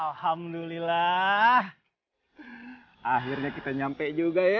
alhamdulillah akhirnya kita nyampe juga ya